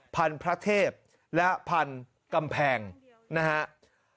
พันพระเทพและพันธุ์กำแพงนะครับ